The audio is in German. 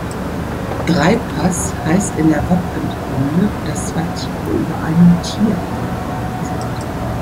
Dreipass heißt in der Wappenkunde, dass zwei Tiere über einem Tier angeordnet sind.